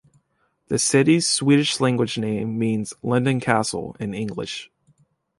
The city's Swedish-language name means "Linden Castle" in English.